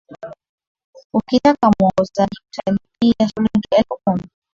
ukitaka muongozaji utalipia shilingi elfu kumi